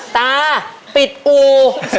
ตาปิดอู่